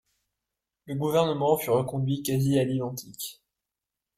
Le gouvernement fut reconduit quasi à l'identique.